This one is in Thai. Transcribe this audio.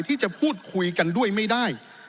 ที่จะพูดคุยกันด้วยไม่ได้